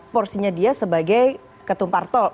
porsinya dia sebagai ketumpar tol